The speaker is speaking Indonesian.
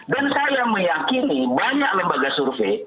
dan saya meyakini banyak lembaga survei